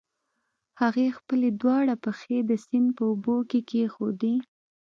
هغې خپلې دواړه پښې د سيند په اوبو کې کېښودې.